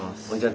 そう。